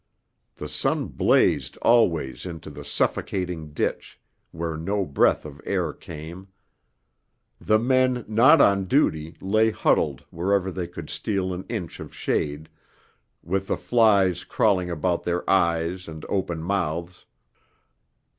The sun blazed always into the suffocating ditch, where no breath of air came; the men not on duty lay huddled wherever they could steal an inch of shade, with the flies crawling about their eyes and open mouths.